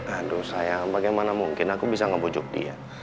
aduh sayang bagaimana mungkin aku bisa ngebujuk dia